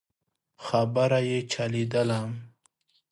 خبره يې چلېدله.